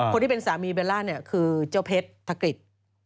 คนที่เป็นสามีเบลล่าเนี่ยคือเจ้าเพชรธกฤษ